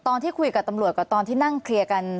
ตอนที่คุยกับตำรวจกับตอนที่นั่งเคลียร์กัน